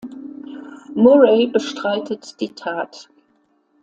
Murray bestreitet die Tat.